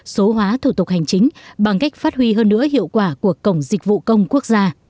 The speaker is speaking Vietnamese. số hóa thủ tục hành chính bằng cách phát huy hơn nữa hiệu quả của cổng dịch vụ công quốc gia